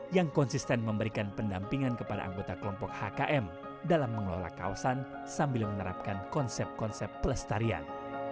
yang konsisten memberikan pendampingan kepada anggota kelompok hkm dalam mengelola kawasan sambil menerapkan konsep konsep pelestarian